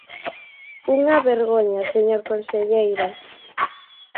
¡Unha vergoña, señor conselleiro!